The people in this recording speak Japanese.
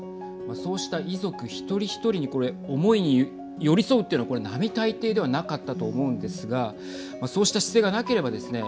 そうした遺族一人一人に思いに寄り添うっていうのはこれ並大抵ではなかったと思うんですがそうした姿勢がなければですね